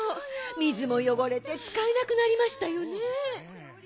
水もよごれてつかえなくなりましたよね。